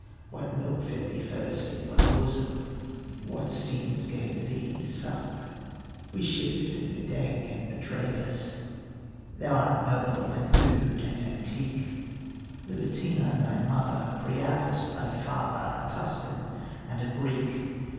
What milk fed thee first at what bosom? What sins gave thee suck? We shift and bedeck and bedrape us, Thou art noble and nude and antique; Libitina thy mother, Priapus Thy father, a Tuscan and Greek.